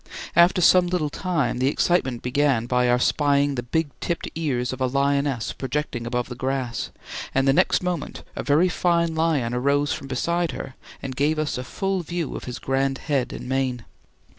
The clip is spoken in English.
After some little time the excitement began by our spying the black tipped ears of a lioness projecting above the grass, and the next moment a very fine lion arose from beside her and gave us a full view of his grand head and mane.